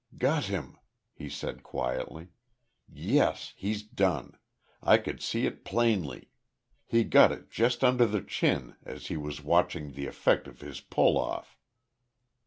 "Got him," he said, quietly. "Yes. He's done. I could see it plainly. He got it just under the chin, as he was watching the effect of his pull off."